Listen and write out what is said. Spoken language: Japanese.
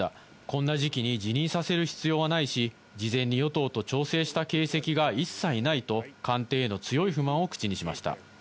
こんな時期に辞任させる必要はないし、事前に与党と調整した形跡が一切ないと、官邸への強い不満を口にしました。